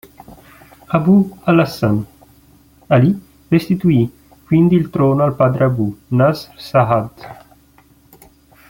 Abū al-Ḥasan ʿAlī restituì quindi il trono al padre Abū Naṣr Saʿd.